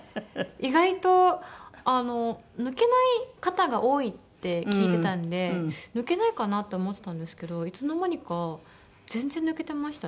意外と抜けない方が多いって聞いてたんで抜けないかなって思ってたんですけどいつの間にか全然抜けてましたね。